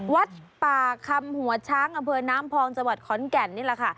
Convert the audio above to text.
วัดป่าคำหัวช้างอน้ำพองจขอนแก่นนี่แหละค่ะ